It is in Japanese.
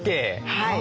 はい。